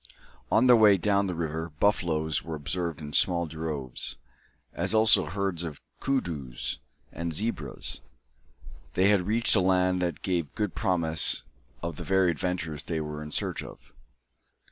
On their way down the river, buffaloes were observed in small droves, as also herds of koodoos and zebras. They had reached a land that gave good promise of the very adventures they were in search of.